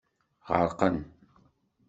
Ɣerqen.